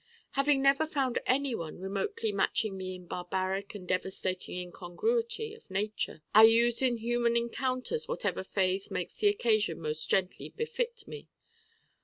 Having never found anyone remotely matching me in barbaric and devastating incongruity of nature I use in human encounters whatever phase makes the occasion most gently befit me.